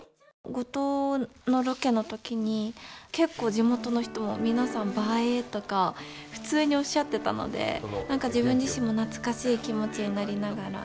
五島のロケの時に結構地元の人も皆さんばえーとか普通におっしゃってたので何か自分自身も懐かしい気持ちになりながら。